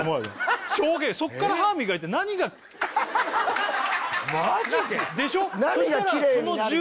てそこから歯磨いて何がマジで？でしょ？